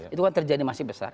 itu kan terjadi masih besar